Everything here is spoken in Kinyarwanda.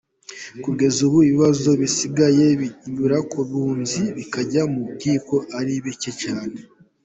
Kugeza ubu ibibazo bisigaye binyura ku Bunzi bikajya mu nkiko ari bike cyane.